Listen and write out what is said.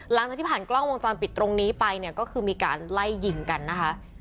หลังจากที่ผ่านกล้องวงจรปิดตรงนี้ไปเนี่ยก็คือมีการไล่ยิงกันนะคะ